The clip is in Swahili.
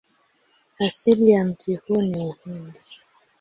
Asili ya mti huu ni Uhindi.